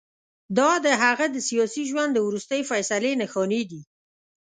دا د هغه د سیاسي ژوند د وروستۍ فیصلې نښانې دي.